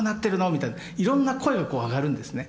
みたいないろんな声が上がるんですね。